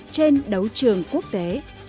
trên đấu trường quốc tế